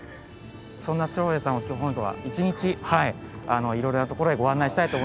そんな照英さんを今日一日いろいろなところへご案内したいと思いますので。